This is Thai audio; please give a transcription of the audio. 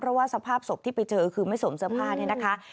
เพราะว่าสภาพศพที่ไปเจอคือไม่สวมเสื้อผ้าเนี่ยนะคะ